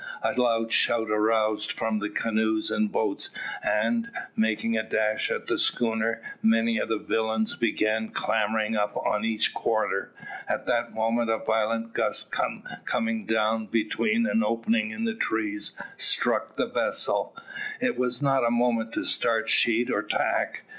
A loud shout arose from the canoes and boats, and, making a dash at the schooner, many of the villains began clambering up on each quarter. At that moment a violent gust coming down between an opening in the trees struck the vessel. It was not a moment to start sheet or tack.